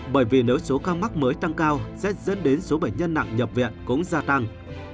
bởi vì nếu số ca mắc mới tăng cao sẽ dẫn đến số bệnh nhân nặng nhập viện cũng gia tăng